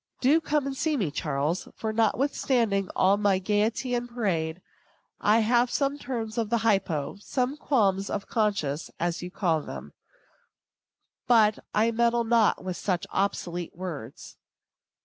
Do come and see me, Charles; for, notwithstanding all my gayety and parade, I have some turns of the hypo, some qualms of conscience, you will call them; but I meddle not with such obsolete words.